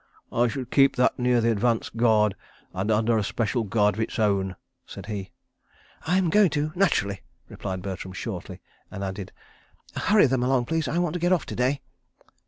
"I should keep that near the advance guard and under a special guard of its own," said he. "I'm going to—naturally," replied Bertram shortly, and added: "Hurry them along, please. I want to get off to day."